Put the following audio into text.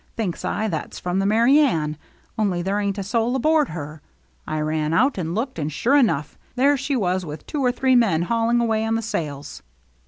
Thinks I, that's from the Merry Anne, only there ain't a soul aboard her. I ran out and looked, and sure enough, there she was, with two or three men hauling away on the sails."